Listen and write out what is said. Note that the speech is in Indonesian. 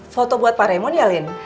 foto buat pak raymond ya lin